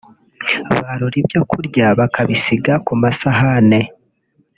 barura ibyo kurya bakabisiga ku masahane